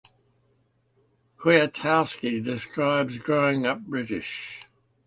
Kwiatkowski describes growing up British.